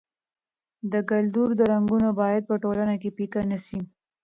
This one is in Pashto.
د کلتور رنګونه باید په ټولنه کې پیکه نه سي.